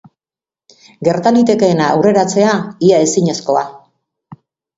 Gerta litekeena aurreratzea ia ezinezkoa.